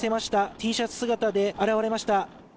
Ｔシャツ姿で現れました